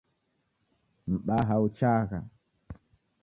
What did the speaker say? Mbaha uchagha